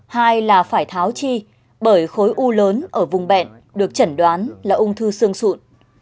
hai là phải tháo chi bởi khối u lớn ở vùng bệnh được chẩn đoán là ung thư xương sụn